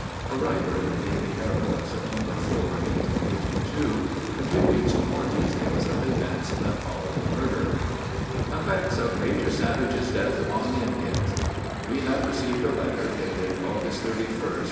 A writer in the Daily Herald of September 4, 1852, contributes more details of events that followed the murder. Effect of Major Savage's Death upon the Indians We have received a letter dated August 31st.